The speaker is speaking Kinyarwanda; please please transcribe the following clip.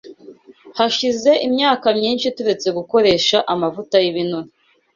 Hashize imyaka myinshi turetse gukoresha amavuta y’ibinure.